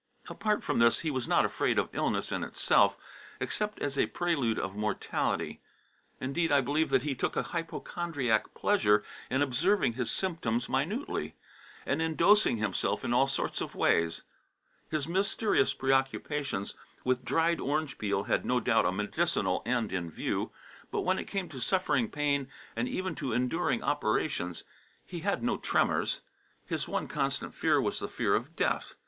Apart from this, he was not afraid of illness in itself, except as a prelude of mortality. Indeed I believe that he took a hypochondriac pleasure in observing his symptoms minutely, and in dosing himself in all sorts of ways. His mysterious preoccupations with dried orange peel had no doubt a medicinal end in view. But when it came to suffering pain and even to enduring operations, he had no tremors. His one constant fear was the fear of death.